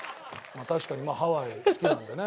確かにハワイ好きなんでね。